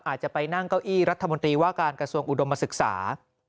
อาจจะไปนั่งเก้าอี้รัฐมนตรีว่าการกระทรวงอุดมศึกษา